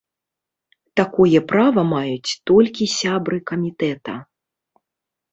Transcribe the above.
Такое права маюць толькі сябры камітэта.